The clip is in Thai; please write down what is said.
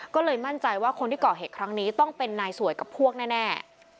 ก็เลยมั่นใจว่าคนที่ก่อเหตุครั้งนี้ต้องเป็นนายสวยกับพวกแน่